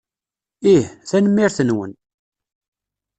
Ih. Tanemmirt-nwen.